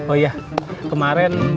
oh iya kemarin